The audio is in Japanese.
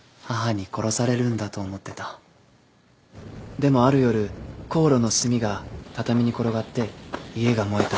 でもある夜香炉の炭が畳に転がって家が燃えた。